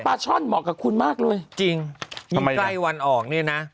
ช่อนเหมาะกับคุณมากเลยจริงยิ่งใกล้วันออกเนี่ยนะ